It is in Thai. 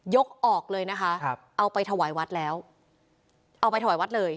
ออกเลยนะคะครับเอาไปถวายวัดแล้วเอาไปถวายวัดเลย